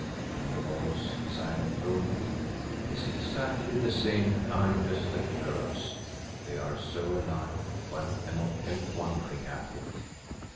And the voice, as I have told you, is exactly the same kind as the clerk's ; they are so alike one cannot help wondering at it.